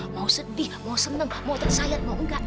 mau sedih mau seneng mau tersayat mau enggak